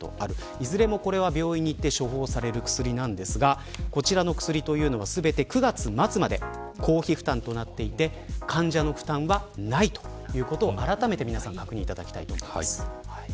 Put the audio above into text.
いずれもこれは病院で処方される薬ですがこの薬は全て９月末まで公費負担となっていて患者負担はないということをあらためてご確認いただきたいと思います。